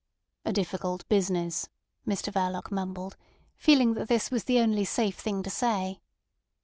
"A difficult business," Mr Verloc mumbled, feeling that this was the only safe thing to say.